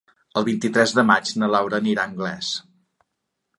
El vint-i-tres de maig na Laura anirà a Anglès.